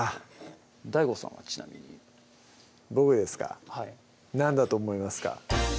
ＤＡＩＧＯさんはちなみに僕ですかはい何だと思いますか？